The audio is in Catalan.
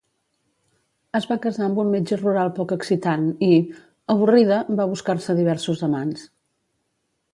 Es va casar amb un metge rural poc excitant i, avorrida, va buscar-se diversos amants.